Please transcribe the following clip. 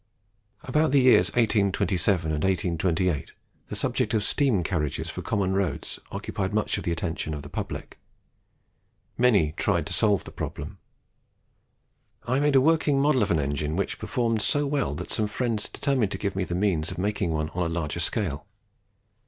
"About the years 1827 and 1828, the subject of steam carriages for common roads occupied much of the attention of the public. Many tried to solve the problem. I made a working model of an engine which performed so well that some friends determined to give me the means of making one on a larger scale.